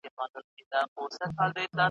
بشري ټولنه د پرمختګ په حال کي ده.